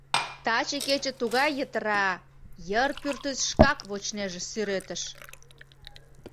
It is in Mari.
Таче кече тугай йытыра — Йыр пӱртӱс шкак вочнеже сӱретыш.